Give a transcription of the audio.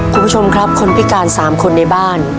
คุณผู้ชมครับคนพิการ๓คนในบ้าน